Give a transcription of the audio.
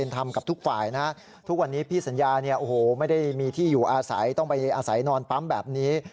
ทุกวันนี้พี่สัญญาเนี่ยโอ้โหไม่ได้มีที่อยู่อาศัยต้องไปอาศัยนอนปั๊มแบบนี้